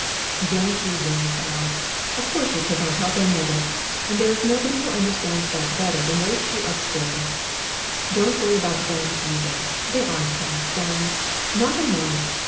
"Don't you worry, child; of course you could not help any of it ; and there is nobody who understands that better than those two up stairs. Don't worry about them, either; they aren't cast down not a mite.